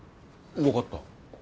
わかった。